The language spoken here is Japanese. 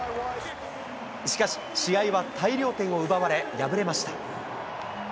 しかし、試合は大量点を奪われ、敗れました。